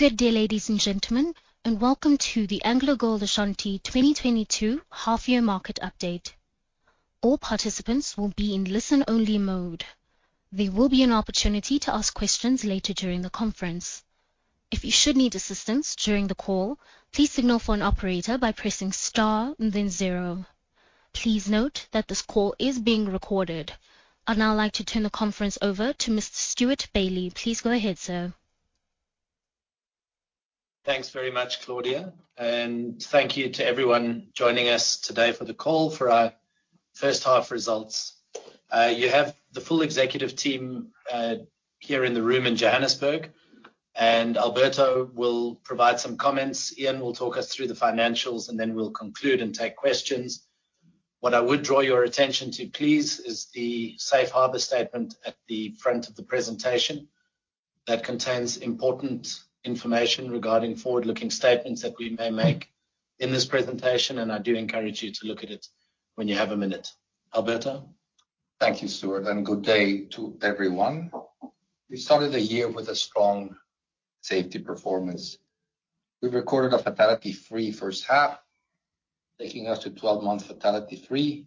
Good day, ladies and gentlemen, and welcome to the AngloGold Ashanti 2022 half year market update. All participants will be in listen only mode. There will be an opportunity to ask questions later during the conference. If you should need assistance during the call, please signal for an operator by pressing star and then zero. Please note that this call is being recorded. I'd now like to turn the conference over to Mr. Stewart Bailey. Please go ahead, sir. Thanks very much, Claudia, and thank you to everyone joining us today for the call for our first half results. You have the full executive team here in the room in Johannesburg. Alberto will provide some comments, Ian will talk us through the financials, and then we'll conclude and take questions. What I would draw your attention to, please, is the safe harbor statement at the front of the presentation that contains important information regarding forward-looking statements that we may make in this presentation. I do encourage you to look at it when you have a minute. Alberto. Thank you, Stewart, and good day to everyone. We started the year with a strong safety performance. We recorded a fatality-free first half, taking us to 12 months fatality-free.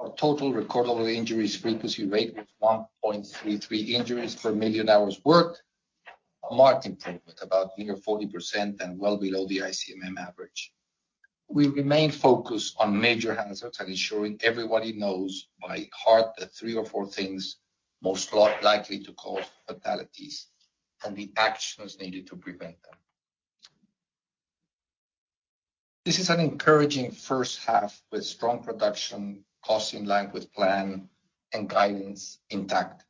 Our total recordable injuries frequency rate was 1.33 injuries per million hours worked. A marked improvement of nearly 40% and well below the ICMM average. We remain focused on major hazards and ensuring everybody knows by heart the three or four things most likely to cause fatalities and the actions needed to prevent them. This is an encouraging first half with strong production, costs in line with plan, and guidance intact.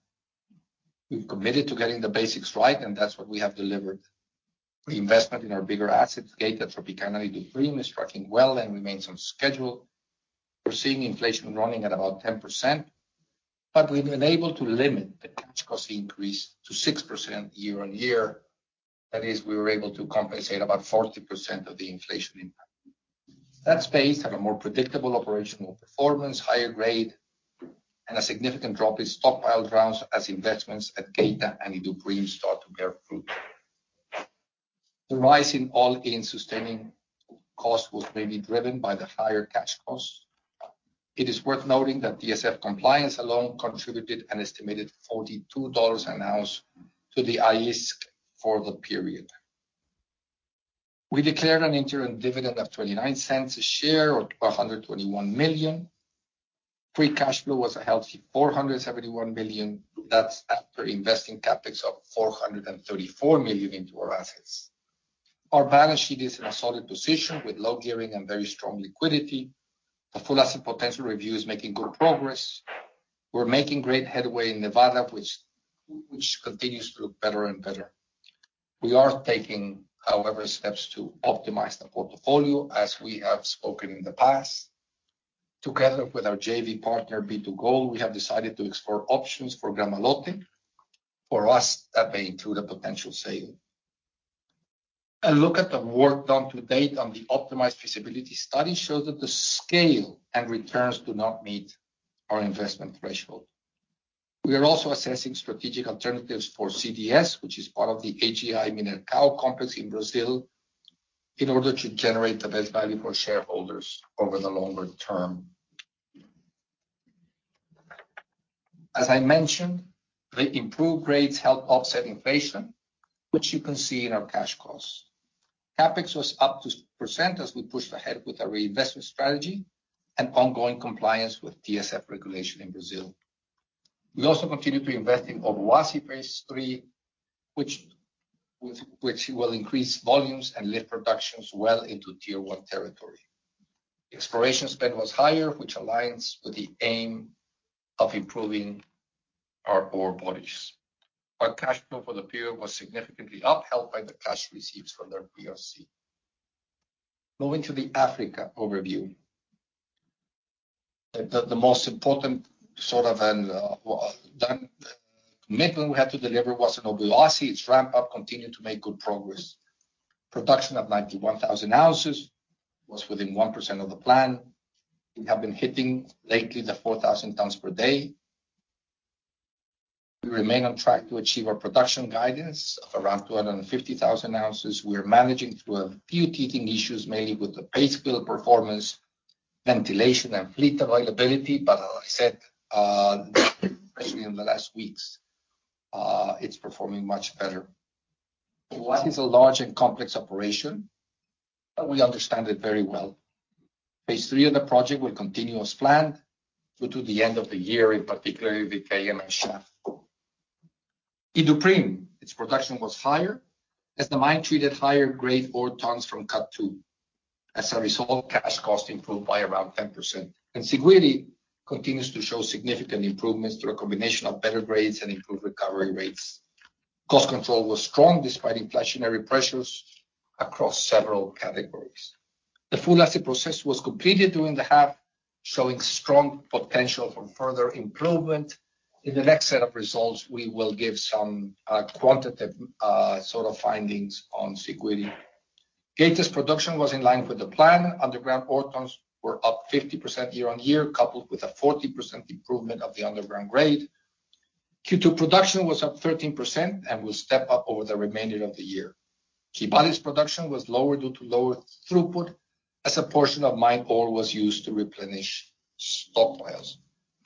We've committed to getting the basics right, and that's what we have delivered. The investment in our bigger assets, Geita, Tropicana, Iduapriem, is tracking well and remains on schedule. We're seeing inflation running at about 10%, but we've been able to limit the cash cost increase to 6% year-on-year. That is, we were able to compensate about 40% of the inflation impact. That's based on a more predictable operational performance, higher grade, and a significant drop in stockpile grades as investments at Geita and Iduapriem start to bear fruit. The rise in all-in sustaining cost was mainly driven by the higher cash costs. It is worth noting that TSF compliance alone contributed an estimated $42 an ounce to the AISC for the period. We declared an interim dividend of $0.29 a share or $221 million. Free cash flow was a healthy $471 million. That's after investing CapEx of $434 million into our assets. Our balance sheet is in a solid position with low gearing and very strong liquidity. The full asset potential review is making good progress. We're making great headway in Nevada, which continues to look better and better. We are taking, however, steps to optimize the portfolio as we have spoken in the past. Together with our JV partner, B2Gold, we have decided to explore options for Gramalote. For us, that means through the potential sale. A look at the work done to date on the optimized feasibility study shows that the scale and returns do not meet our investment threshold. We are also assessing strategic alternatives for CDS, which is part of the AGI Mineracao complex in Brazil, in order to generate the best value for shareholders over the longer term. As I mentioned, the improved grades help offset inflation, which you can see in our cash costs. CapEx was up 2% as we pushed ahead with our reinvestment strategy and ongoing compliance with TSF regulation in Brazil. We also continued to invest in Obuasi Phase Three, which, with which we will increase volumes and lift productions well into tier-one territory. Exploration spend was higher, which aligns with the aim of improving our ore bodies. Our cash flow for the period was significantly up, helped by the cash receipts from the PRC. Moving to the Africa overview. The most important commitment we had to deliver was in Obuasi. Its ramp-up continued to make good progress. Production of 91,000 ounces was within 1% of the plan. We have been hitting lately the 4,000 tons per day. We remain on track to achieve our production guidance of around 250,000 ounces. We are managing through a few teething issues, mainly with the phase build performance, ventilation, and fleet availability. As I said, especially in the last weeks, it's performing much better. Obuasi is a large and complex operation, but we understand it very well. Phase Three of the project will continue as planned through to the end of the year, in particular with Eyaima shaft. Iduapriem, its production was higher as the mine treated higher-grade ore tons from Cut Two. As a result, cash cost improved by around 10%. Siguiri continues to show significant improvements through a combination of better grades and improved recovery rates. Cost control was strong despite inflationary pressures across several categories. The full asset potential was completed during the half, showing strong potential for further improvement. In the next set of results, we will give some quantitative sort of findings on Siguiri, Geita's production was in line with the plan. Underground ore tons were up 50% year-on-year, coupled with a 40% improvement of the underground grade. Q2 production was up 13% and will step up over the remainder of the year. Kibali's production was lower due to lower throughput as a portion of mine ore was used to replenish stockpiles.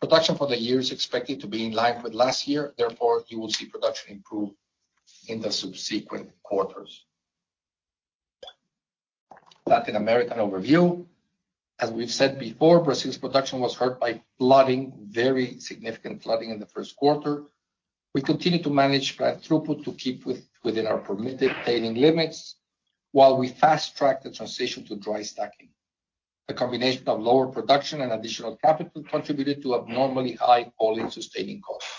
Production for the year is expected to be in line with last year, therefore, you will see production improve in the subsequent quarters. Latin American overview. As we've said before, Brazil's production was hurt by flooding, very significant flooding in the first quarter. We continue to manage plant throughput to keep within our permitted tailings limits while we fast-track the transition to dry stacking. A combination of lower production and additional capital contributed to abnormally high all-in sustaining costs.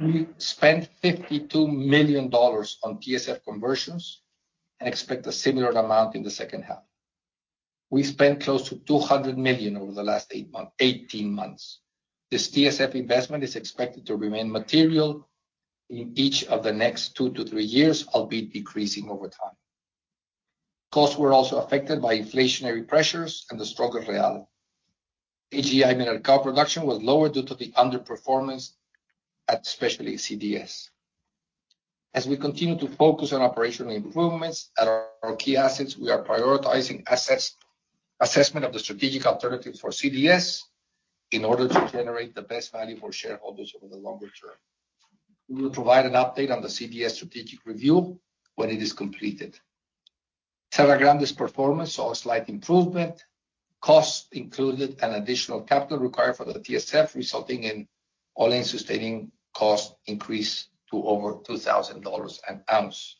We spent $52 million on TSF conversions and expect a similar amount in the second half. We spent close to $200 million over the last eighteen months. This TSF investment is expected to remain material in each of the next two to three years, albeit decreasing over time. Costs were also affected by inflationary pressures and the stronger real. AGI Mineracao production was lower due to the underperformance at especially CDS. As we continue to focus on operational improvements at our key assets, we are prioritizing assessment of the strategic alternatives for CDS in order to generate the best value for shareholders over the longer term. We will provide an update on the CDS strategic review when it is completed. Serra Grande, this performance saw a slight improvement. Costs included an additional capital required for the TSF, resulting in all-in sustaining cost increase to over $2,000 an ounce.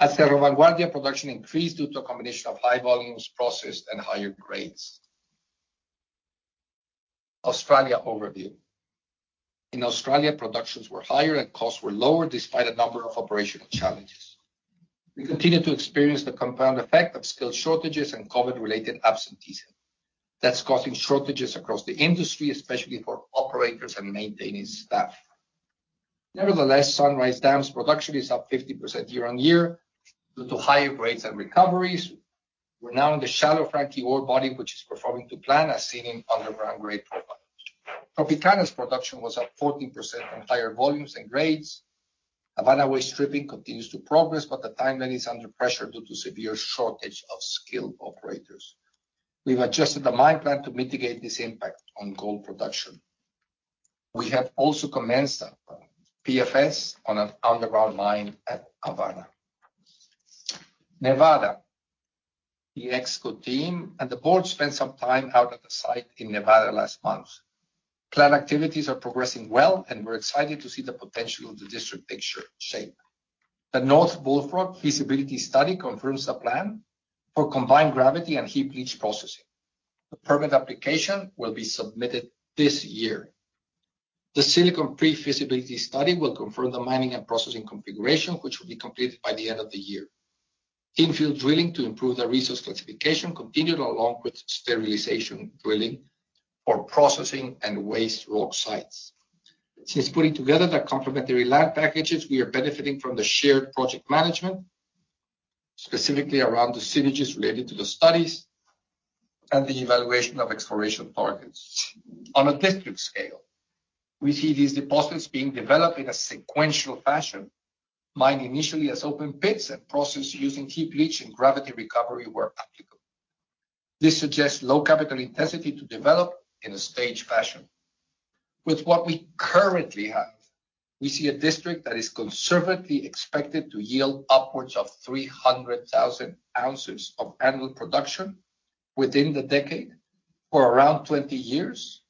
At Cerro Vanguardia, production increased due to a combination of high volumes processed and higher grades. Australia overview. In Australia, productions were higher, and costs were lower despite a number of operational challenges. We continue to experience the compound effect of skill shortages and COVID-related absenteeism. That's causing shortages across the industry, especially for operators and maintenance staff. Nevertheless, Sunrise Dam's production is up 50% year-on-year due to higher grades and recoveries. We're now in the Shallow Frankie ore body which is performing to plan as seen in underground grade profile. Tropicana's production was up 14% on higher volumes and grades. Havana West stripping continues to progress, but the timeline is under pressure due to severe shortage of skilled operators. We've adjusted the mine plan to mitigate this impact on gold production. We have also commenced PFS on an underground mine at Havana, Nevada. The executive team and the board spent some time out at the site in Nevada last month. Plan activities are progressing well, and we're excited to see the potential of the district picture shape. The North Bullfrog feasibility study confirms the plan for combined gravity and heap leach processing. The permit application will be submitted this year. The Silicon pre-feasibility study will confirm the mining and processing configuration, which will be completed by the end of the year. In-field drilling to improve the resource classification continued along with sterilization drilling for processing and waste rock sites. Since putting together the complementary land packages, we are benefiting from the shared project management, specifically around the synergies related to the studies and the evaluation of exploration targets. On a district scale, we see these deposits being developed in a sequential fashion, mined initially as open pits and processed using heap leach and gravity recovery where applicable. This suggests low capital intensity to develop in a staged fashion. With what we currently have, we see a district that is conservatively expected to yield upwards of 300,000 ounces of annual production within the decade for around 20 years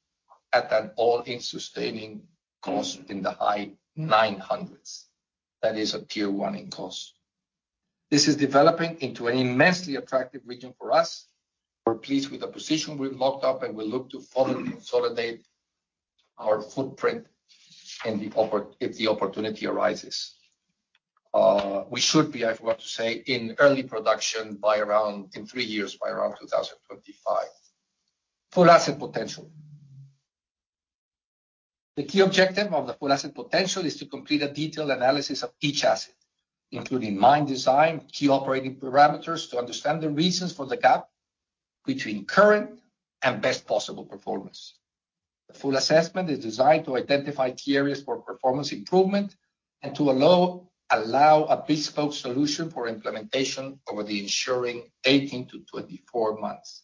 at an all-in sustaining cost in the high $900s. That is a tier one in cost. This is developing into an immensely attractive region for us. We're pleased with the position we've locked up, and we look to further consolidate our footprint if the opportunity arises. We should be in early production by around 2025. Full Asset Potential. The key objective of the Full Asset Potential is to complete a detailed analysis of each asset, including mine design, key operating parameters to understand the reasons for the gap between current and best possible performance. The full assessment is designed to identify key areas for performance improvement and to allow a bespoke solution for implementation over the ensuing 18-24 months.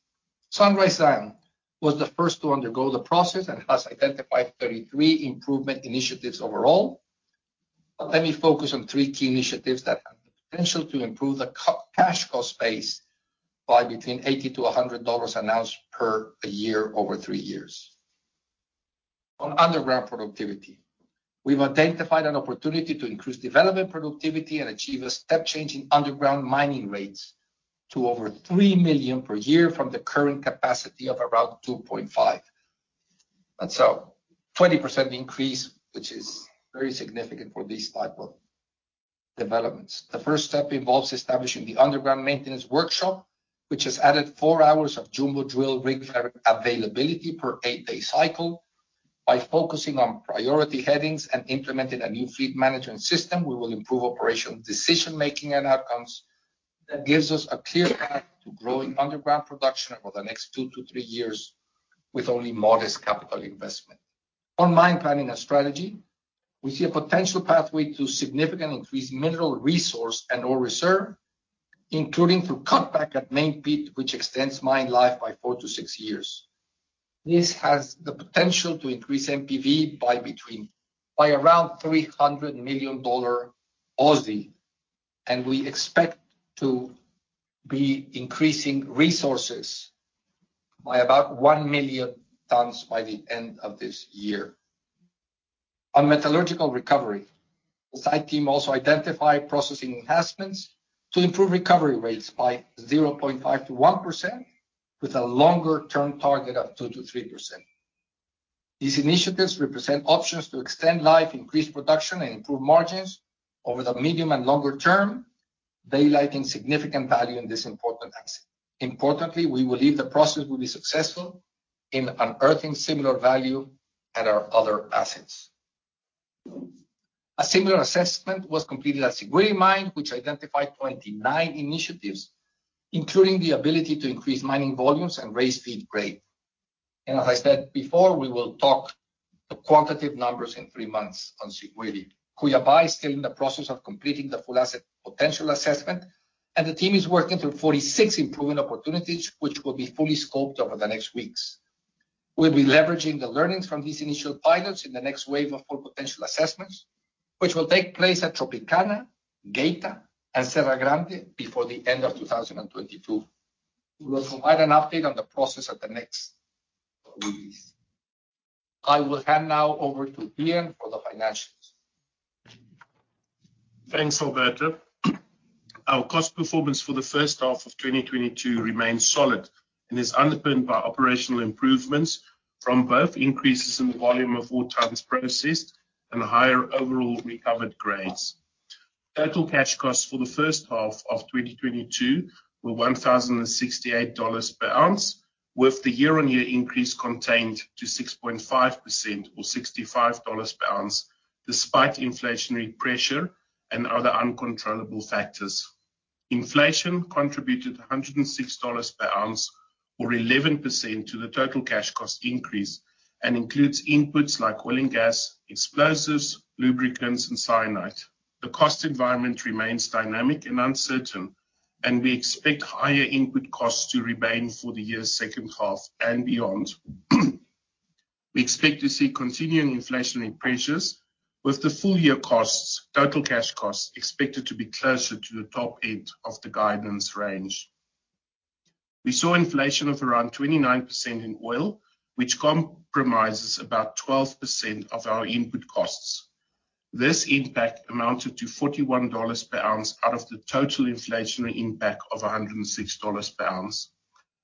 Sunrise Dam was the first to undergo the process and has identified 33 improvement initiatives overall. Let me focus on three key initiatives that have the potential to improve the cash cost base by between $80-$100 an ounce per year over three years. On underground productivity, we've identified an opportunity to increase development productivity and achieve a step change in underground mining rates to over three million per year from the current capacity of around 2.5. 20% increase, which is very significant for this type of developments. The first step involves establishing the underground maintenance workshop, which has added four hours of jumbo drill rig availability per eight-day cycle. By focusing on priority headings and implementing a new fleet management system, we will improve operational decision-making and outcomes. That gives us a clear path to growing underground production over the next two to three years with only modest capital investment. On mine planning and strategy, we see a potential pathway to significant increased mineral resource and ore reserve, including through cutback at Main Pit, which extends mine life by four to six years. This has the potential to increase NPV by around 300 million dollar, and we expect to be increasing resources by about million tons by the end of this year. On metallurgical recovery, the site team also identified processing enhancements to improve recovery rates by 0.5%-1%, with a longer-term target of 2%-3%. These initiatives represent options to extend life, increase production, and improve margins over the medium and longer term, daylighting significant value in this important asset. Importantly, we believe the process will be successful in unearthing similar value at our other assets. A similar assessment was completed at Siguiri Mine, which identified 29 initiatives, including the ability to increase mining volumes and raise feed grade. As I said before, we will talk the quantitative numbers in three months on Siguiri. Cuyabí is still in the process of completing the full asset potential assessment, and the team is working through 46 improvement opportunities, which will be fully scoped over the next weeks. We'll be leveraging the learnings from these initial pilots in the next wave of full potential assessments, which will take place at Tropicana, Geita, and Serra Grande before the end of 2022. We will provide an update on the process at the next release. I will hand now over to Ian for the financials. Thanks, Alberto. Our cost performance for the first half of 2022 remains solid and is underpinned by operational improvements from both increases in the volume of ore tons processed and higher overall recovered grades. Total cash costs for the first half of 2022 were $1,068 per ounce, with the year-on-year increase contained to 6.5% or $65 per ounce, despite inflationary pressure and other uncontrollable factors. Inflation contributed $106 per ounce or 11% to the total cash cost increase and includes inputs like oil and gas, explosives, lubricants, and cyanide. The cost environment remains dynamic and uncertain, and we expect higher input costs to remain for the year's second half and beyond. We expect to see continuing inflationary pressures with the full year costs, total cash costs expected to be closer to the top end of the guidance range. We saw inflation of around 29% in oil, which comprises about 12% of our input costs. This impact amounted to $41 per ounce out of the total inflationary impact of $106 per ounce.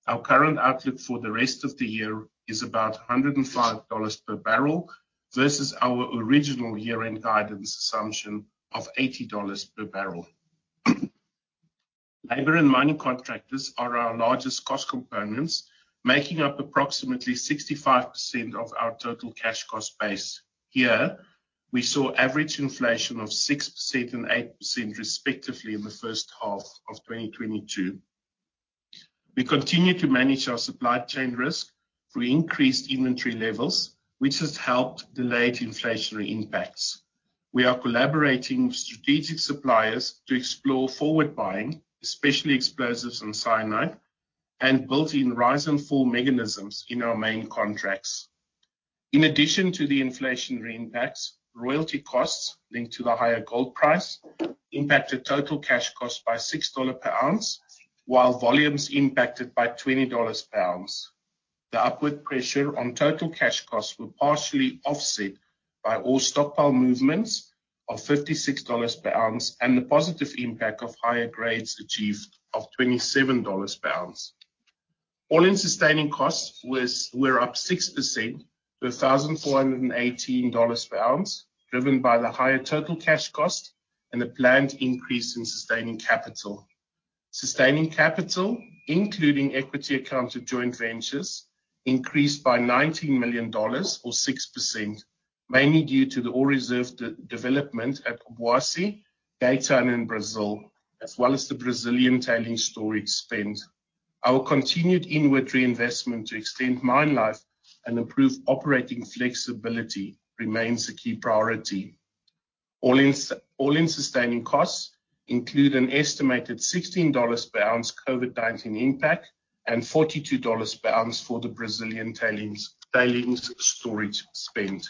Our current outlook for the rest of the year is about $105 per barrel versus our original year-end guidance assumption of $80 per barrel. Labor and mining contractors are our largest cost components, making up approximately 65% of our total cash cost base. Here, we saw average inflation of 6% and 8% respectively in the first half of 2022. We continue to manage our supply chain risk through increased inventory levels, which has helped delay inflationary impacts. We are collaborating with strategic suppliers to explore forward buying, especially explosives and cyanide, and built-in rise and fall mechanisms in our main contracts. In addition to the inflationary impacts, royalty costs linked to the higher gold price impacted total cash costs by $6 per ounce, while volumes impacted by $20 per ounce. The upward pressure on total cash costs were partially offset by ore stockpile movements of $56 per ounce and the positive impact of higher grades achieved of $27 per ounce. All-in sustaining costs were up 6% to $1,418 per ounce, driven by the higher total cash cost and the planned increase in sustaining capital. Sustaining capital, including equity account of joint ventures, increased by $19 million or 6%, mainly due to the ore reserve de-development at Obuasi, Geita, as well as the Brazilian tailings storage spend. Our continued inward reinvestment to extend mine life and improve operating flexibility remains a key priority. All-in sustaining costs include an estimated $16 per ounce COVID-19 impact and $42 per ounce for the Brazilian tailings storage spend.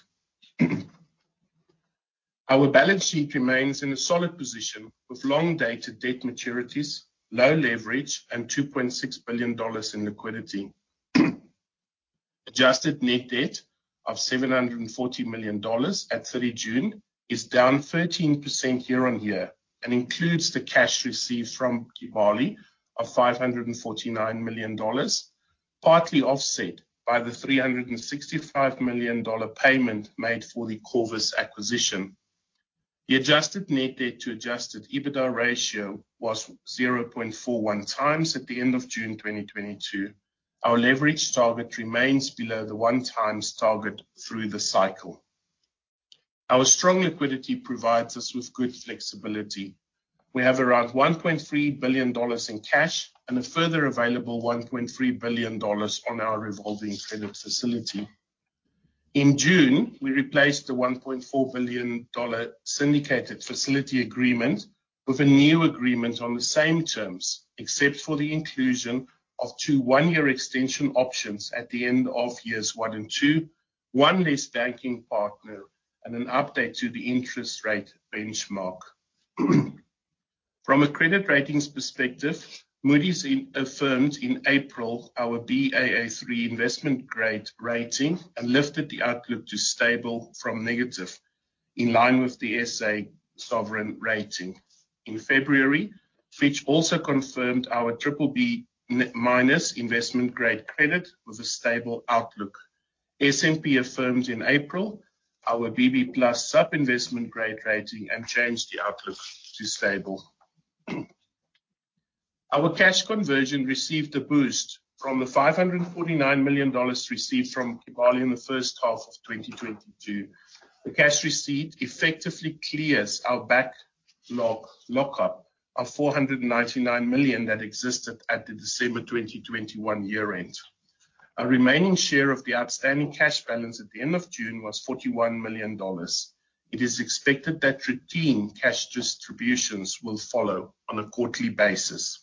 Our balance sheet remains in a solid position with long-dated debt maturities, low leverage, and $2.6 billion in liquidity. Adjusted net debt of $740 million at 30 June is down 13% year-on-year and includes the cash received from Kibali of $549 million, partly offset by the $365 million payment made for the Corvus Gold acquisition. The adjusted net debt to adjusted EBITDA ratio was 0.41x at the end of June 2022. Our leverage target remains below the 1x target through the cycle. Our strong liquidity provides us with good flexibility. We have around $1.3 billion in cash and a further available $1.3 billion on our revolving credit facility. In June, we replaced the $1.4 billion syndicated facility agreement with a new agreement on the same terms, except for the inclusion of two one-year extension options at the end of years one and two. One less banking partner, and an update to the interest rate benchmark. From a credit ratings perspective, Moody's affirmed in April our Baa3 investment grade rating and lifted the outlook to stable from negative, in line with the SA sovereign rating. In February, Fitch also confirmed our BBB- investment grade credit with a stable outlook. S&P affirmed in April our BB+ sub-investment grade rating and changed the outlook to stable. Our cash conversion received a boost from the $549 million received from Kibali in the first half of 2022. The cash receipt effectively clears our backlog lockup of $499 million that existed at the December 2021 year-end. Our remaining share of the outstanding cash balance at the end of June was $41 million. It is expected that routine cash distributions will follow on a quarterly basis.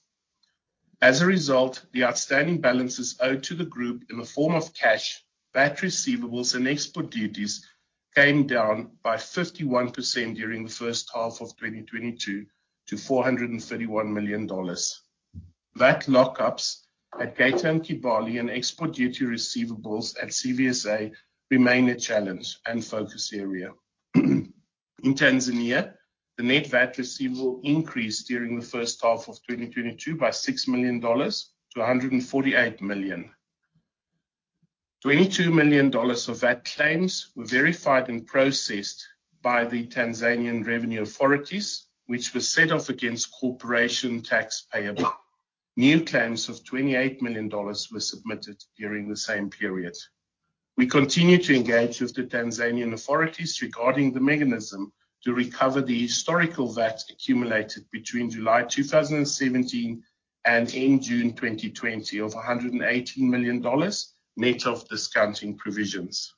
As a result, the outstanding balances owed to the group in the form of cash, VAT receivables, and export duties came down by 51% during the first half of 2022 to $431 million. Those lockups at Geita and Kibali and export duty receivables at CVSA remain a challenge and focus area. In Tanzania, the net VAT receivable increased during the first half of 2022 by $6 million to $148 million. $22 million of VAT claims were verified and processed by the Tanzanian revenue authorities, which was set off against corporation tax payable. New claims of $28 million were submitted during the same period. We continue to engage with the Tanzanian authorities regarding the mechanism to recover the historical VAT accumulated between July 2017 and in June 2020 of $118 million, net of discounting provisions.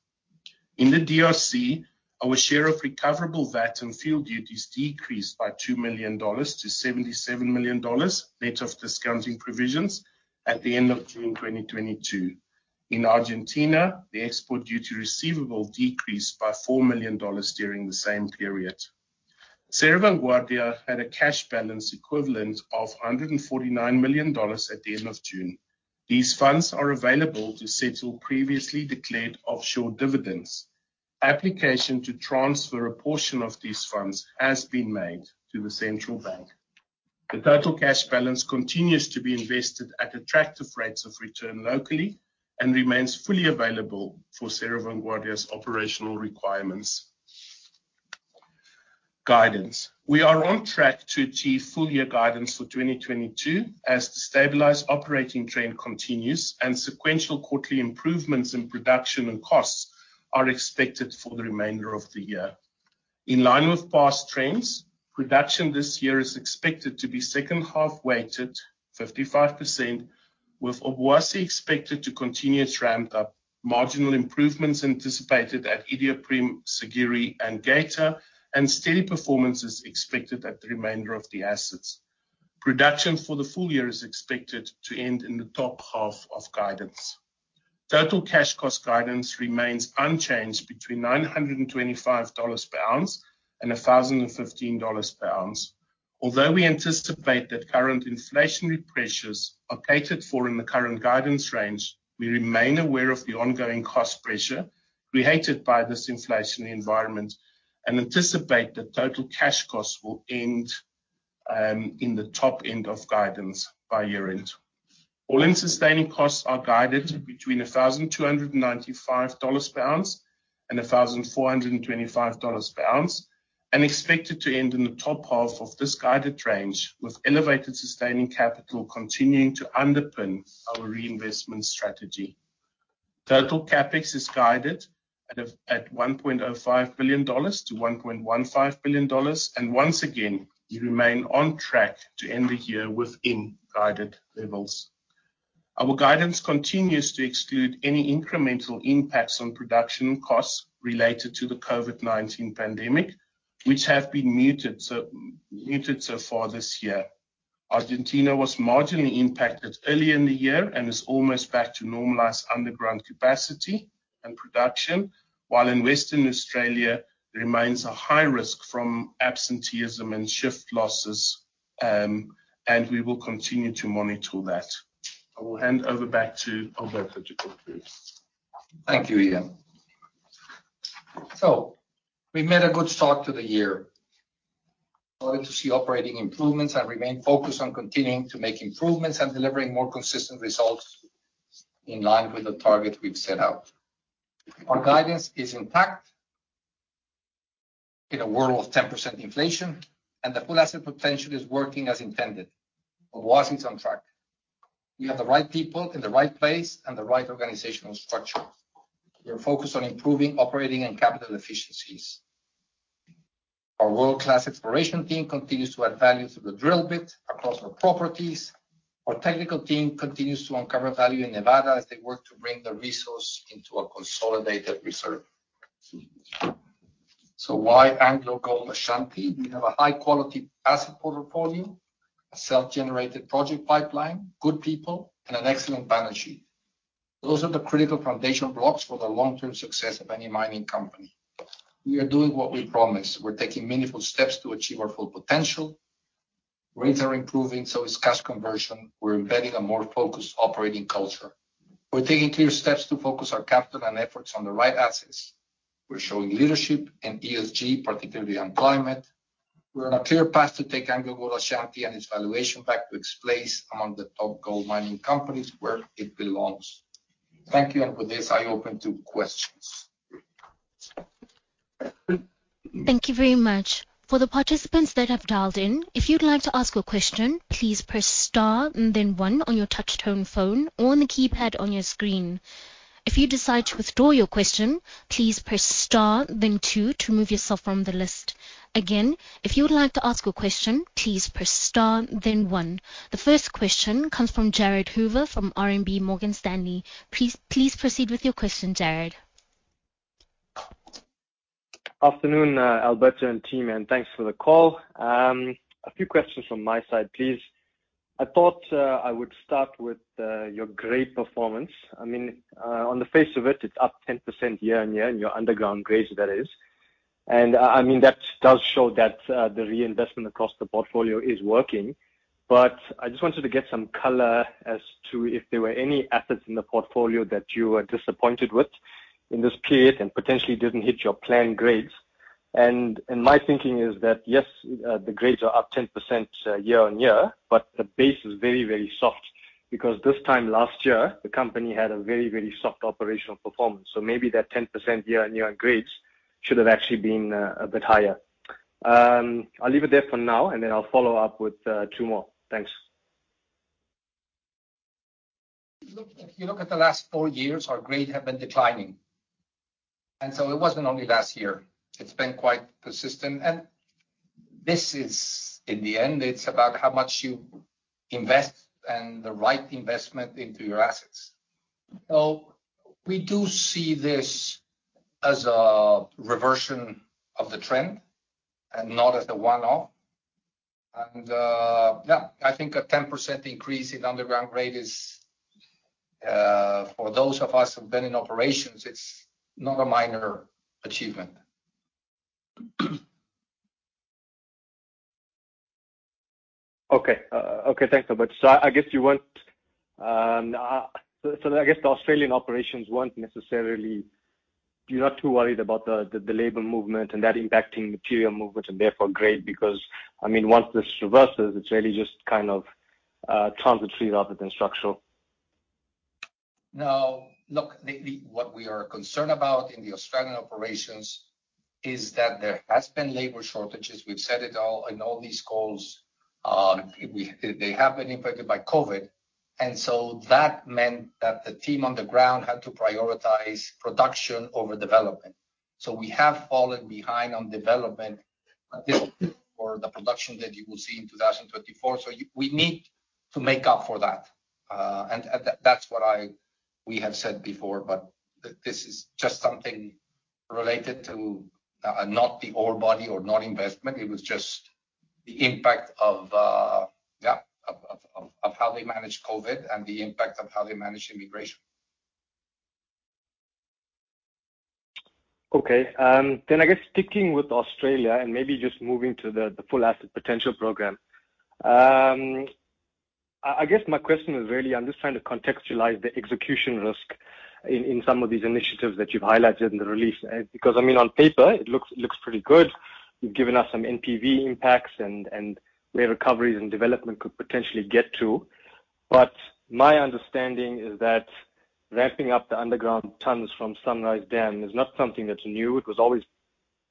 In the DRC, our share of recoverable VAT and field duties decreased by $2 million to $77 million, net of discounting provisions at the end of June 2022. In Argentina, the export duty receivable decreased by $4 million during the same period. Cerro Vanguardia had a cash balance equivalent of $149 million at the end of June. These funds are available to settle previously declared offshore dividends. Application to transfer a portion of these funds has been made to the central bank. The total cash balance continues to be invested at attractive rates of return locally and remains fully available for Cerro Vanguardia's operational requirements. Guidance. We are on track to achieve full year guidance for 2022 as the stabilized operating trend continues and sequential quarterly improvements in production and costs are expected for the remainder of the year. In line with past trends, production this year is expected to be second half-weighted, 55%, with Obuasi expected to continue its ramped up, marginal improvements anticipated at Iduapriem, Siguiri and Geita, and steady performance is expected at the remainder of the assets. Production for the full year is expected to end in the top half of guidance. Total cash cost guidance remains unchanged between $925 per ounce and $1,015 per ounce. Although we anticipate that current inflationary pressures are catered for in the current guidance range, we remain aware of the ongoing cost pressure created by this inflationary environment and anticipate that total cash costs will end in the top end of guidance by year-end. All-in sustaining costs are guided between $1,295 per ounce and $1,425 per ounce and expected to end in the top half of this guided range, with elevated sustaining capital continuing to underpin our reinvestment strategy. Total CapEx is guided at $1.05 billion to $1.15 billion, and once again, we remain on track to end the year within guided levels. Our guidance continues to exclude any incremental impacts on production costs related to the COVID-19 pandemic, which have been muted so far this year. Argentina was marginally impacted early in the year and is almost back to normalized underground capacity and production, while in Western Australia, there remains a high risk from absenteeism and shift losses, and we will continue to monitor that. I will hand over back to Alberto to conclude. Thank you, Ian. We've made a good start to the year. In order to see operating improvements and remain focused on continuing to make improvements and delivering more consistent results in line with the target we've set out. Our guidance is intact in a world of 10% inflation, and the full asset potential is working as intended. Wasi's on track. We have the right people in the right place and the right organizational structure. We are focused on improving operating and capital efficiencies. Our world-class exploration team continues to add value to the drill bit across our properties. Our technical team continues to uncover value in Nevada as they work to bring the resource into a consolidated reserve. Why AngloGold Ashanti? We have a high-quality asset portfolio, a self-generated project pipeline, good people, and an excellent balance sheet. Those are the critical foundation blocks for the long-term success of any mining company. We are doing what we promised. We're taking meaningful steps to achieve our full potential. Rates are improving, so is cash conversion. We're embedding a more focused operating culture. We're taking clear steps to focus our capital and efforts on the right assets. We're showing leadership in ESG, particularly on climate. We're on a clear path to take AngloGold Ashanti and its valuation back to its place among the top gold mining companies where it belongs. Thank you. With this, I open to questions. Thank you very much. For the participants that have dialed in, if you'd like to ask a question, please press star and then one on your touch-tone phone or on the keypad on your screen. If you decide to withdraw your question, please press star then two to remove yourself from the list. Again, if you would like to ask a question, please press star then one. The first question comes from Jared Gillard from RMB Morgan Stanley. Please proceed with your question, Jared. Afternoon, Alberto and team, and thanks for the call. A few questions from my side, please. I thought I would start with your great performance. I mean, on the face of it's up 10% year-on-year on your underground grades, that is. I mean, that does show that the reinvestment across the portfolio is working. I just wanted to get some color as to if there were any assets in the portfolio that you were disappointed with in this period and potentially didn't hit your planned grades. My thinking is that, yes, the grades are up 10% year-on-year, but the base is very, very soft because this time last year the company had a very, very soft operational performance. Maybe that 10% year-on-year grades should have actually been a bit higher. I'll leave it there for now, and then I'll follow up with two more. Thanks. Look, if you look at the last four years, our grades have been declining. It wasn't only last year. It's been quite persistent. This is, in the end, it's about how much you invest and the right investment into your assets. We do see this as a reversion of the trend and not as a one-off. Yeah, I think a 10% increase in underground grade is, for those of us who've been in operations, it's not a minor achievement. Okay. Okay, thanks, Alberto. I guess the Australian operations weren't necessarily. You're not too worried about the labor movement and that impacting material movement and therefore grade because, I mean, once this reverses, it's really just kind of transitory rather than structural. No. Look, what we are concerned about in the Australian operations is that there has been labor shortages. We've said it all in all these calls. They have been impacted by COVID. That meant that the team on the ground had to prioritize production over development. We have fallen behind on development for the production that you will see in 2024. We need to make up for that. That's what we have said before, but this is just something related to not the ore body or not investment. It was just the impact of how they managed COVID and the impact of how they managed immigration. Okay. I guess sticking with Australia and maybe just moving to the full asset potential program. I guess my question is really I'm just trying to contextualize the execution risk in some of these initiatives that you've highlighted in the release. Because, I mean, on paper it looks pretty good. You've given us some NPV impacts and where recoveries and development could potentially get to. My understanding is that ramping up the underground tons from Sunrise Dam is not something that's new. It was always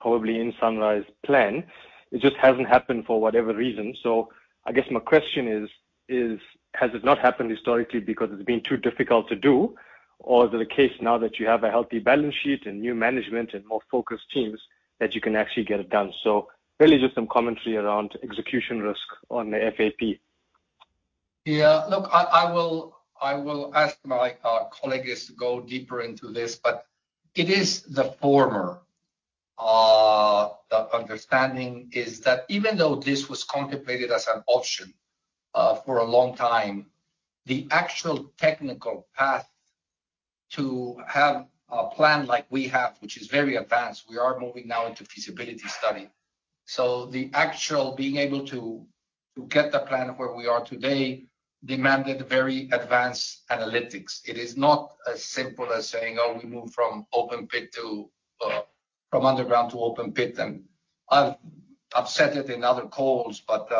probably in Sunrise plan. It just hasn't happened for whatever reason. I guess my question is, has it not happened historically because it's been too difficult to do? Is it the case now that you have a healthy balance sheet and new management and more focused teams that you can actually get it done? Really just some commentary around execution risk on the FAP. Yeah. Look, I will ask my colleagues to go deeper into this, but it is the former. The understanding is that even though this was contemplated as an option for a long time, the actual technical path to have a plan like we have, which is very advanced, we are moving now into feasibility study. So the actual being able to get the plan of where we are today demanded very advanced analytics. It is not as simple as saying, "Oh, we move from open pit to from underground to open pit." I've said it in other calls, but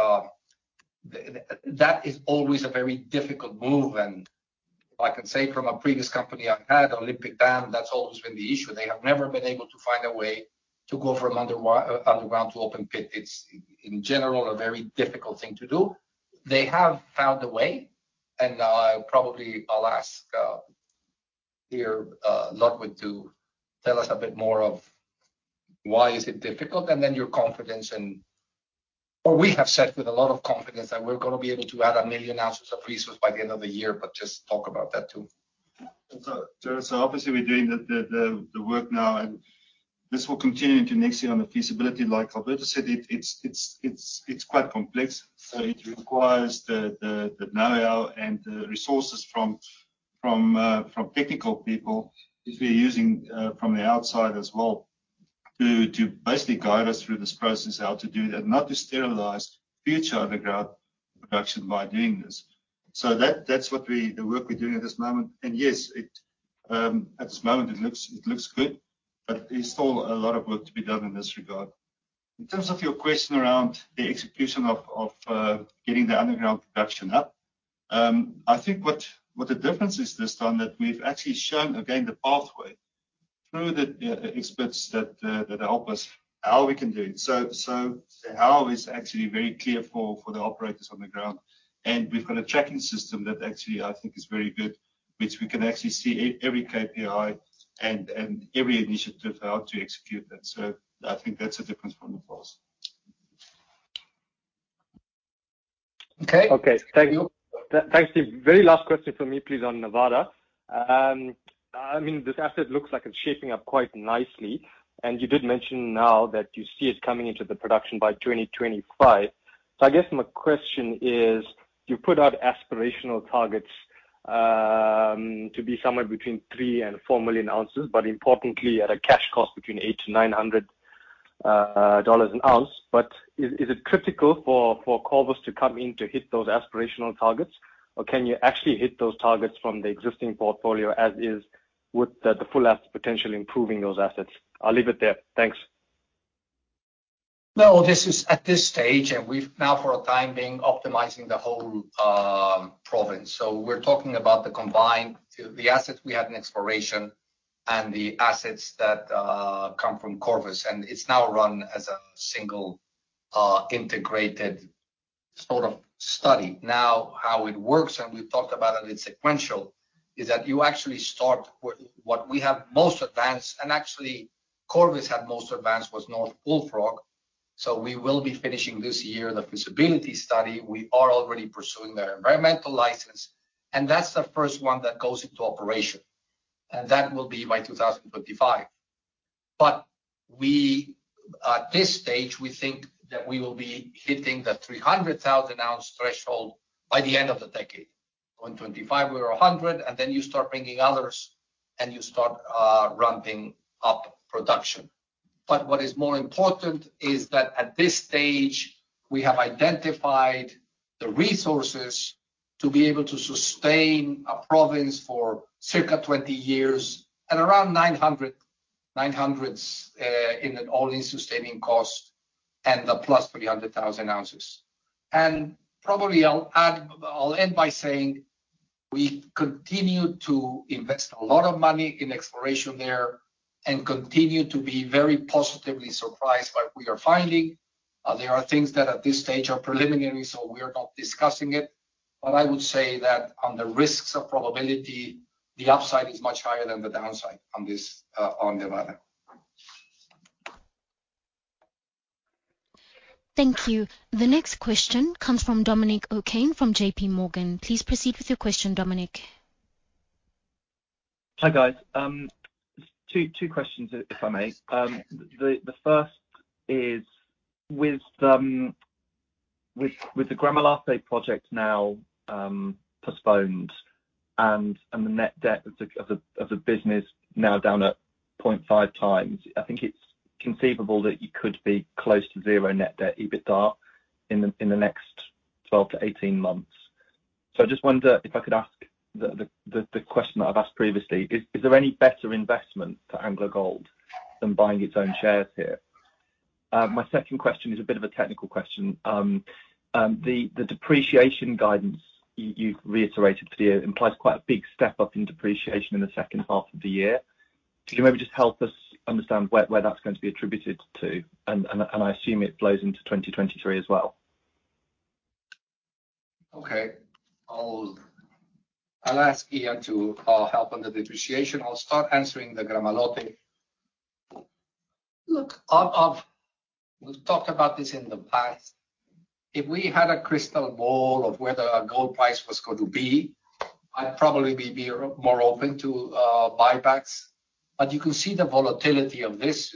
that is always a very difficult move. I can say from a previous company I had, Olympic Dam, that's always been the issue. They have never been able to find a way to go from underground to open pit. It's in general a very difficult thing to do. They have found a way, and now I'll ask Pierre Gillard to tell us a bit more of why is it difficult. Well, we have said with a lot of confidence that we're gonna be able to add 1 million ounces of resource by the end of the year, but just talk about that too. Obviously we're doing the work now, and this will continue into next year on the feasibility. Like Alberto said, it's quite complex, so it requires the know-how and the resources from technical people, which we're using from the outside as well to basically guide us through this process how to do that, not to sterilize future underground production by doing this. That's the work we're doing at this moment. Yes, at this moment it looks good, but there's still a lot of work to be done in this regard. In terms of your question around the execution of getting the underground production up, I think what the difference is this time that we've actually shown again the pathway through the experts that help us how we can do it. How is actually very clear for the operators on the ground. We've got a tracking system that actually I think is very good, which we can actually see every KPI and every initiative how to execute that. I think that's the difference from the past. Okay. Okay. Thank you. Thanks Steve. Very last question for me, please, on Nevada. I mean, this asset looks like it's shaping up quite nicely, and you did mention now that you see it coming into production by 2025. I guess my question is, you put out aspirational targets to be somewhere between 3-4 million ounces, but importantly at a cash cost between $800-$900 an ounce. Is it critical for Corvus to come in to hit those aspirational targets, or can you actually hit those targets from the existing portfolio as is with the full asset potential improving those assets? I'll leave it there. Thanks. No, this is at this stage, and we've now for the time being optimizing the whole province. We're talking about the combined to the assets we have in exploration and the assets that come from Corvus, and it's now run as a single integrated sort of study. How it works, and we've talked about, it's sequential, is that you actually start with what we have most advanced, and actually Corvus had most advanced was North Bullfrog. We will be finishing this year the feasibility study. We are already pursuing their environmental license, and that's the first one that goes into operation. That will be by 2025. We, at this stage, we think that we will be hitting the 300,000-ounce threshold by the end of the decade. On 25 we're 100, and then you start bringing others, and you start ramping up production. What is more important is that at this stage, we have identified the resources to be able to sustain a province for circa 20 years at around 900, 900s, in an all-in sustaining cost and the +300,000 ounces. Probably I'll add, I'll end by saying we continue to invest a lot of money in exploration there and continue to be very positively surprised by what we are finding. There are things that at this stage are preliminary, so we are not discussing it. I would say that on the risks of probability, the upside is much higher than the downside on this, on Nevada. Thank you. The next question comes from Dominic O'Kane from JP Morgan. Please proceed with your question, Dominic. Hi, guys. Two questions, if I may. The first is with the Gramalote project now postponed and the net debt of the business now down at 0.5 times, I think it's conceivable that you could be close to zero net debt to EBITDA in the next 12 to 18 months. I just wonder if I could ask the question that I've asked previously. Is there any better investment for AngloGold Ashanti than buying its own shares here? My second question is a bit of a technical question. The depreciation guidance you've reiterated for the year implies quite a big step-up in depreciation in the second half of the year. Could you maybe just help us understand where that's going to be attributed to? I assume it flows into 2023 as well. Okay. I'll ask Ian to help on the depreciation. I'll start answering the Gramalote. Look, we've talked about this in the past. If we had a crystal ball of where the gold price was going to be, I'd probably be more open to buybacks. But you can see the volatility of this.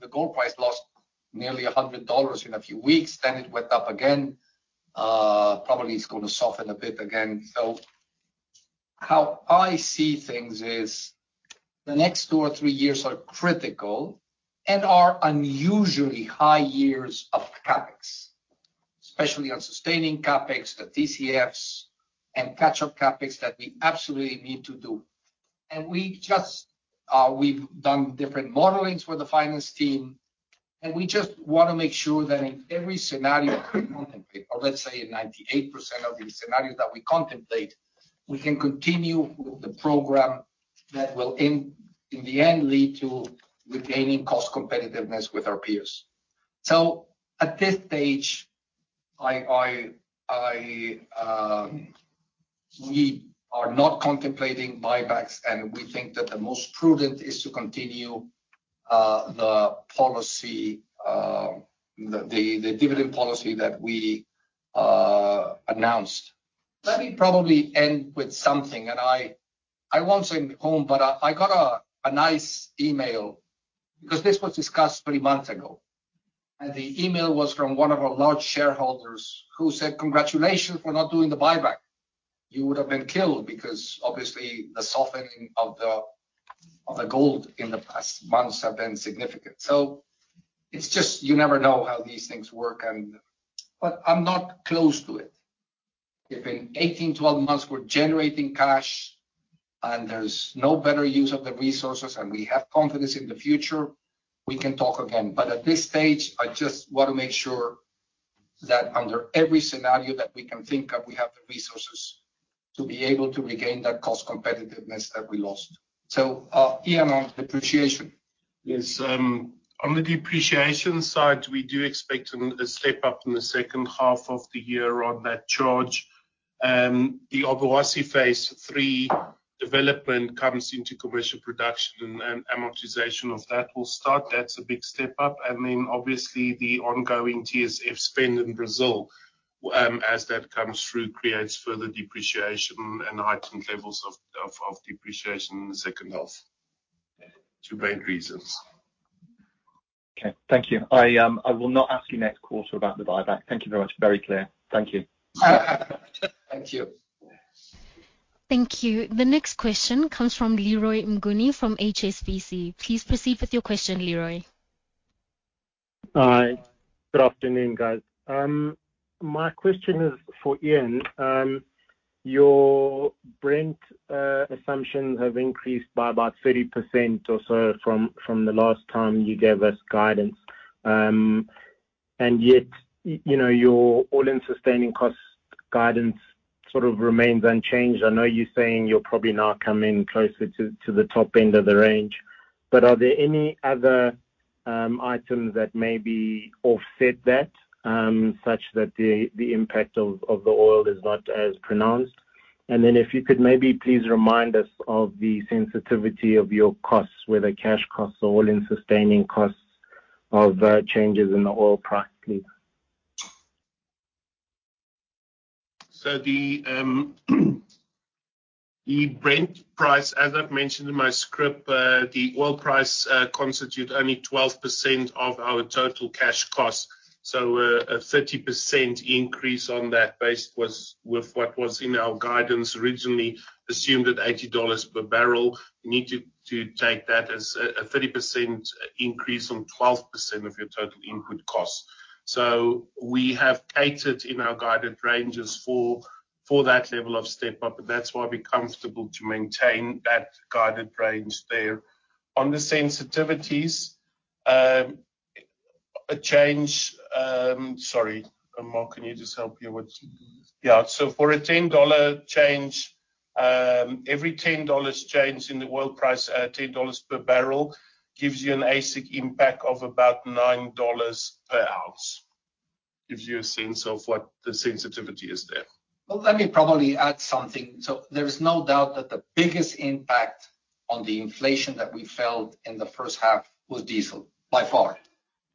The gold price lost nearly $100 in a few weeks, then it went up again. Probably it's gonna soften a bit again. How I see things is the next two or three years are critical and are unusually high years of CapEx, especially on sustaining CapEx, the TSFs, and catch-up CapEx that we absolutely need to do. We just, we've done different modelings for the finance team, and we just wanna make sure that in every scenario we contemplate, or let's say in 98% of the scenarios that we contemplate, we can continue with the program that will in the end lead to retaining cost competitiveness with our peers. At this stage, we are not contemplating buybacks, and we think that the most prudent is to continue the policy, the dividend policy that we announced. Let me probably end with something, and I won't say home, but I got a nice email, because this was discussed three months ago. The email was from one of our large shareholders who said, "Congratulations for not doing the buyback. You would have been killed, because obviously the softening of the gold in the past months have been significant. It's just you never know how these things work and. I'm not closed to it. If in 18, 12 months we're generating cash, and there's no better use of the resources, and we have confidence in the future, we can talk again. At this stage, I just wanna make sure that under every scenario that we can think of, we have the resources to be able to regain that cost competitiveness that we lost. Ian, on depreciation. Yes. On the depreciation side, we do expect a step up in the second half of the year on that charge. The Obuasi Phase Three development comes into commercial production, and amortization of that will start. That's a big step up. Obviously the ongoing TSF spend in Brazil, as that comes through, creates further depreciation and heightened levels of depreciation in the second half. Two main reasons. Okay. Thank you. I will not ask you next quarter about the buyback. Thank you very much. Very clear. Thank you. Thank you. Thank you. The next question comes from Leroy Mnguni from HSBC. Please proceed with your question, Leroy. Hi. Good afternoon, guys. My question is for Ian. Your Brent assumptions have increased by about 30% or so from the last time you gave us guidance. Yet, you know, your all-in sustaining cost guidance sort of remains unchanged. I know you're saying you'll probably now come in closer to the top end of the range, but are there any other items that maybe offset that such that the impact of the oil is not as pronounced? If you could maybe please remind us of the sensitivity of your costs, whether cash costs or all-in sustaining costs of changes in the oil price, please. The Brent price, as I've mentioned in my script, the oil price, constitute only 12% of our total cash costs. A 30% increase on that base was with what was in our guidance originally assumed at $80 per barrel. You need to take that as a 30% increase on 12% of your total input costs. We have catered in our guided ranges for that level of step up, and that's why we're comfortable to maintain that guided range there. On the sensitivities, a change. Sorry, Mark, can you just help me with. Yeah. For a $10 change, every $10 change in the oil price at $10 per barrel gives you an AISC impact of about $9 per ounce, gives you a sense of what the sensitivity is there. Well, let me probably add something. There is no doubt that the biggest impact on the inflation that we felt in the first half was diesel, by far.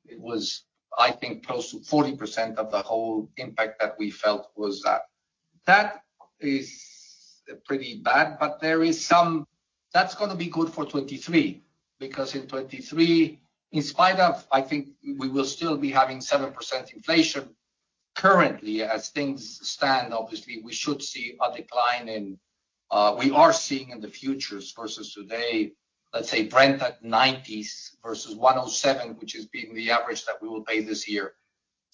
It was, I think, close to 40% of the whole impact that we felt was that. That is pretty bad. That's gonna be good for 2023, because in 2023, in spite of, I think, we will still be having 7% inflation currently as things stand, obviously, we should see a decline in, we are seeing in the futures versus today, let's say Brent at 90s versus 107, which has been the average that we will pay this year.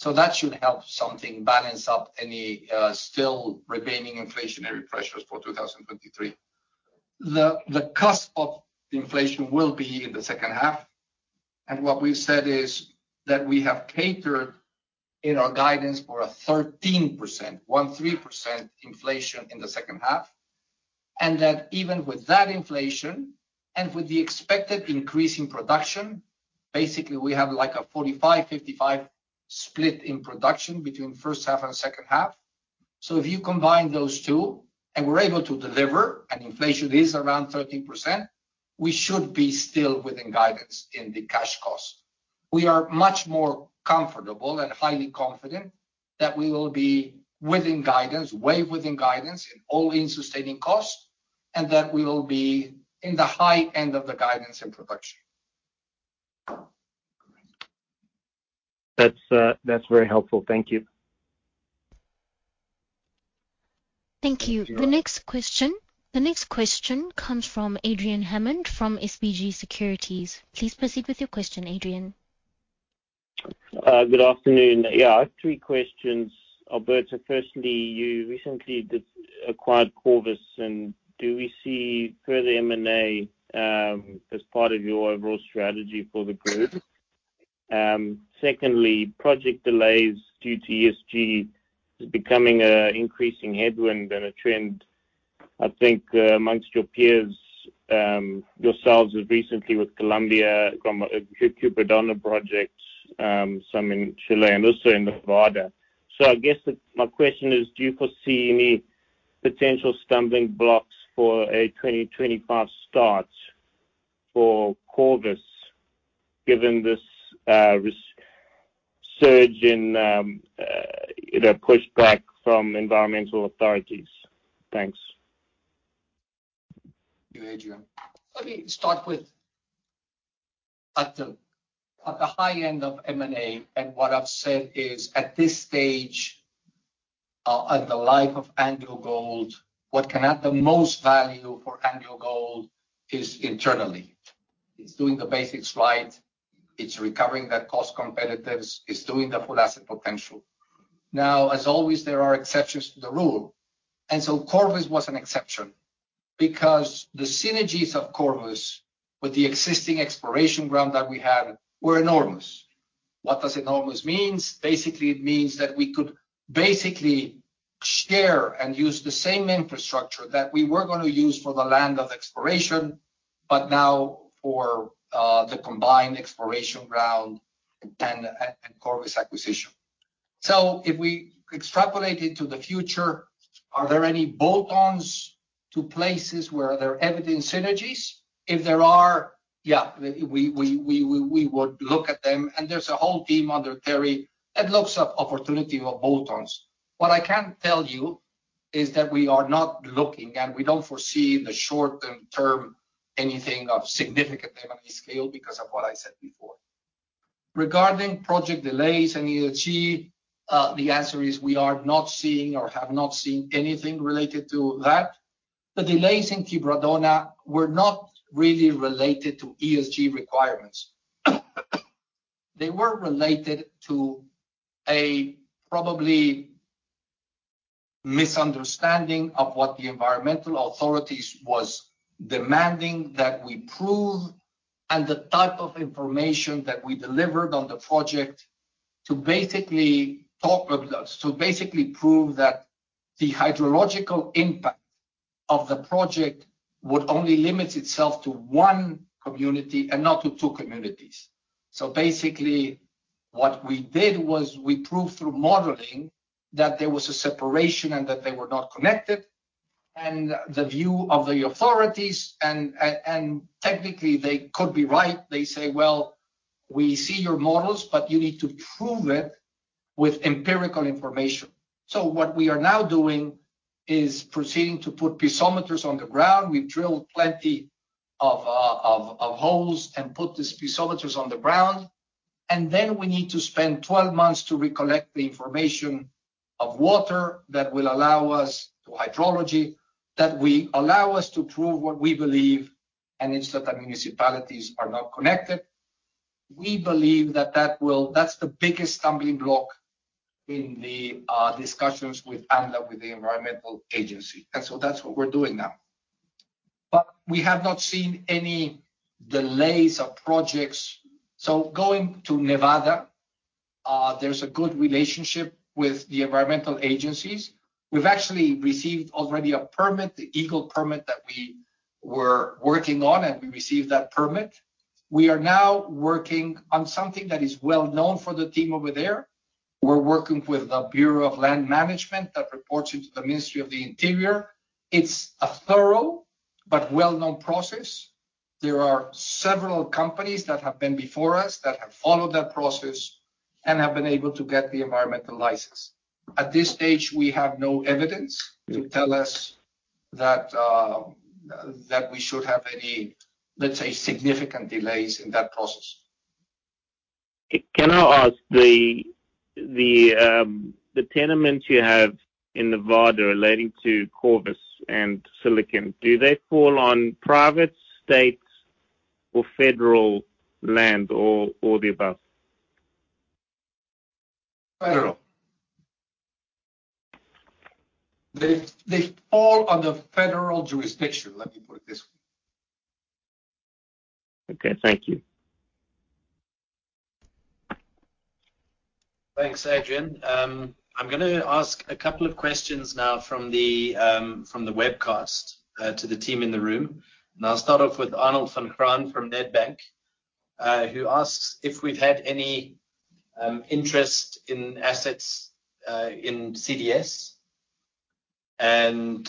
That should help something balance up any, still remaining inflationary pressures for 2023. The cusp of the inflation will be in the second half, and what we've said is that we have catered in our guidance for a 13% inflation in the second half. That even with that inflation and with the expected increase in production, basically we have like a 45-55 split in production between first half and second half. If you combine those two and we're able to deliver and inflation is around 13%, we should be still within guidance in the cash costs. We are much more comfortable and highly confident that we will be within guidance, way within guidance in all-in sustaining costs, and that we will be in the high end of the guidance and production. That's very helpful. Thank you. Thank you. Thank you very much. The next question comes from Adrian Hammond from SBG Securities. Please proceed with your question, Adrian. Good afternoon. Yeah, I have three questions. Alberto, firstly, you recently acquired Corvus, and do we see further M&A as part of your overall strategy for the group? Secondly, project delays due to ESG is becoming a increasing headwind and a trend. I think, amongst your peers, yourselves as recently with Colombia, Quebradona projects, some in Chile and also in Nevada. I guess my question is, do you foresee any potential stumbling blocks for a 2025 start for Corvus given this surge in, you know, pushback from environmental authorities? Thanks. Thank you, Adrian. Let me start with the high end of M&A, and what I've said is, at this stage, at the life of AngloGold, what can add the most value for AngloGold is internally. It's doing the basics right, it's recovering that cost competitiveness, it's doing the full asset potential. Now, as always, there are exceptions to the rule. Corvus was an exception because the synergies of Corvus with the existing exploration ground that we had were enormous. What does enormous mean? Basically, it means that we could basically share and use the same infrastructure that we were gonna use for the planned exploration, but now for the combined exploration ground and Corvus acquisition. If we extrapolate into the future, are there any bolt-ons to places where there are evident synergies? If there are, yeah, we would look at them, and there's a whole team under Terry that looks up opportunity for bolt-ons. What I can tell you is that we are not looking, and we don't foresee in the short-term anything of significant economic scale because of what I said before. Regarding project delays and ESG, the answer is we are not seeing or have not seen anything related to that. The delays in Quebradona were not really related to ESG requirements. They were related to a probably misunderstanding of what the environmental authorities was demanding that we prove, and the type of information that we delivered on the project to basically prove that the hydrological impact of the project would only limit itself to one community and not to two communities. Basically, what we did was we proved through modeling that there was a separation and that they were not connected. The view of the authorities and technically, they could be right. They say, "Well, we see your models, but you need to prove it with empirical information." What we are now doing is proceeding to put piezometers on the ground. We've drilled plenty of holes and put these piezometers on the ground. Then we need to spend 12 months to recollect the information of water that will allow us to hydrology, that will allow us to prove what we believe, and it's that the municipalities are not connected. We believe that's the biggest stumbling block in the discussions with ANLA, with the environmental agency. That's what we're doing now. We have not seen any delays of projects. Going to Nevada, there's a good relationship with the environmental agencies. We've actually received already a permit, the Eagle permit that we were working on, and we received that permit. We are now working on something that is well known for the team over there. We're working with the Bureau of Land Management that reports to the Ministry of the Interior. It's a thorough but well-known process. There are several companies that have been before us that have followed that process and have been able to get the environmental license. At this stage, we have no evidence to tell us that we should have any, let's say, significant delays in that process. Can I ask the tenements you have in Nevada relating to Corvus and Silicon, do they fall on private, state or federal land or the above? Federal. They fall under federal jurisdiction, let me put it this way. Okay. Thank you. Thanks, Adrian. I'm gonna ask a couple of questions now from the webcast to the team in the room. I'll start off with Arnold van Graan from Nedbank, who asks if we've had any interest in assets in CDS. The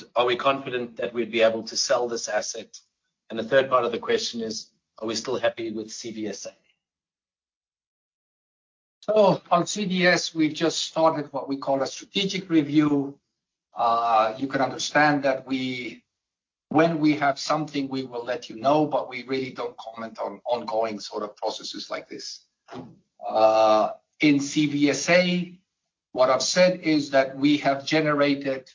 third part of the question is, are we still happy with CVSA? On CDS, we've just started what we call a strategic review. You can understand that. When we have something, we will let you know, but we really don't comment on ongoing sort of processes like this. In CVSA. What I've said is that we have generated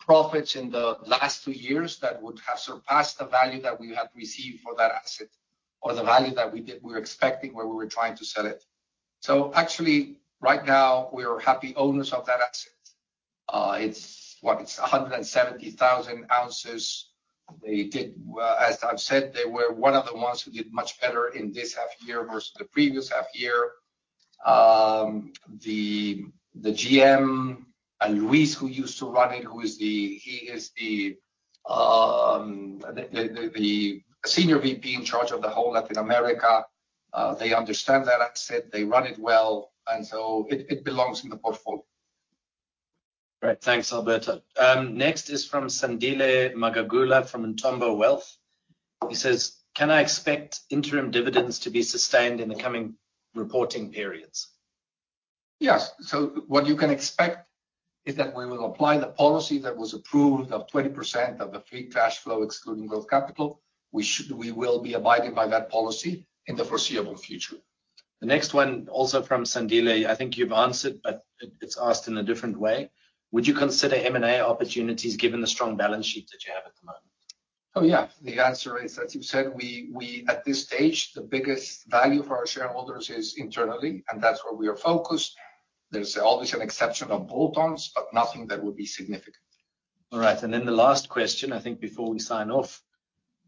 profits in the last two years that would have surpassed the value that we had received for that asset or the value that we were expecting when we were trying to sell it. Actually, right now, we are happy owners of that asset. It's what? It's 170,000 ounces. They did well. As I've said, they were one of the ones who did much better in this half year versus the previous half year. The GM, Luis, who used to run it, who is the... He is the senior VP in charge of the whole Latin America. They understand that asset. They run it well, and so it belongs in the portfolio. Great. Thanks, Alberto. Next is from Sandile Magagula from Entimbo Wealth. He says, "Can I expect interim dividends to be sustained in the coming reporting periods? Yes. What you can expect is that we will apply the policy that was approved of 20% of the free cash flow, excluding growth capital. We will be abiding by that policy in the foreseeable future. The next one, also from Sandile, I think you've answered, but it's asked in a different way: Would you consider M&A opportunities given the strong balance sheet that you have at the moment? Oh, yeah. The answer is, as you said, we at this stage, the biggest value for our shareholders is internally, and that's where we are focused. There's always an exception of add-ons, but nothing that would be significant. All right. The last question, I think before we sign off,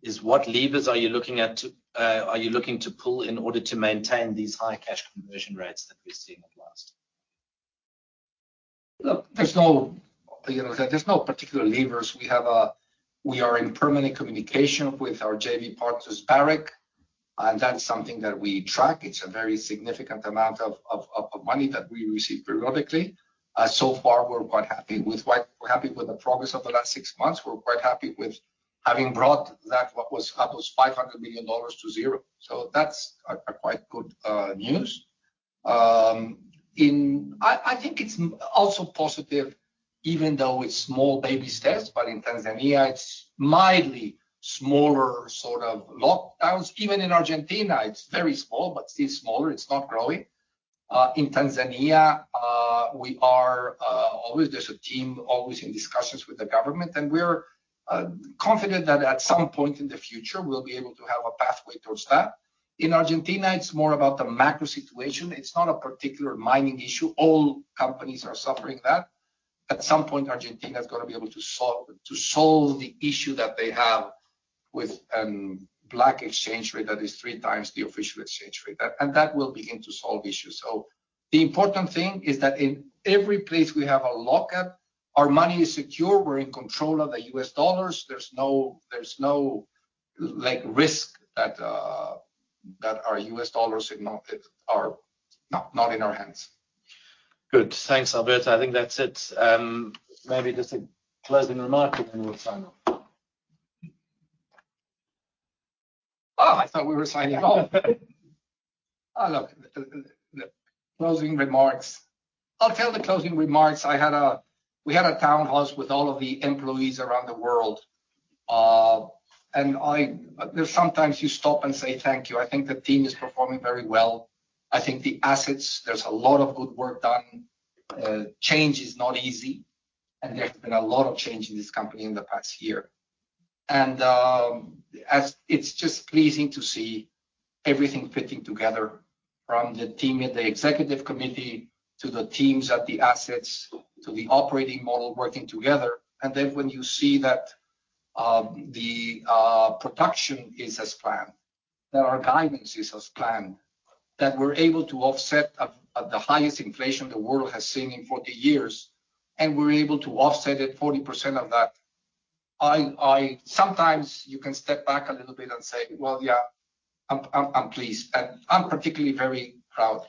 is: What levers are you looking to pull in order to maintain these high cash conversion rates that we're seeing of late? Look, there's no you know, there's no particular levers. We are in permanent communication with our JV partners, Barrick, and that's something that we track. It's a very significant amount of money that we receive periodically. So far, we're quite happy with the progress of the last six months. We're quite happy with having brought that what was almost $500 million to zero. So that's quite good news. I think it's also positive, even though it's small baby steps, but in Tanzania, it's mildly smaller sort of lockdowns. Even in Argentina, it's very small, but still smaller. It's not growing. In Tanzania, there's always a team in discussions with the government, and we're confident that at some point in the future, we'll be able to have a pathway towards that. In Argentina, it's more about the macro situation. It's not a particular mining issue. All companies are suffering that. At some point, Argentina's gotta be able to solve the issue that they have with black exchange rate that is three times the official exchange rate. That will begin to solve issues. The important thing is that in every place we have a lockup, our money is secure. We're in control of the US dollars. There's no like risk that our US dollars are not in our hands. Good. Thanks, Alberto. I think that's it. Maybe just a closing remark, and then we'll sign off. Oh, I thought we were signing off. Oh, look, the closing remarks. I'll tell the closing remarks. We had a town hall with all of the employees around the world, and there's sometimes you stop and say thank you. I think the team is performing very well. I think the assets, there's a lot of good work done. Change is not easy, and there's been a lot of change in this company in the past year. It's just pleasing to see everything fitting together from the team at the executive committee to the teams at the assets to the operating model working together. Then when you see that, production is as planned, that our guidance is as planned, that we're able to offset at the highest inflation the world has seen in 40 years, and we're able to offset it 40% of that, I sometimes you can step back a little bit and say, "Well, yeah, I'm pleased." I'm particularly very proud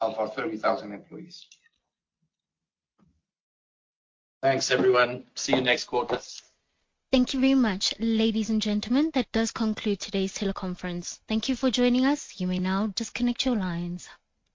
of our 30,000 employees. Thanks, everyone. See you next quarters. Thank you very much. Ladies and gentlemen, that does conclude today's teleconference. Thank you for joining us. You may now disconnect your lines.